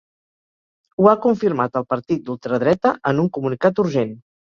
Ho ha confirmat el partit d’ultradreta en un comunicat urgent.